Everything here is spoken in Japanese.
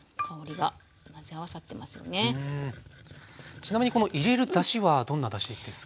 ちなみにこの入れるだしはどんなだしですか？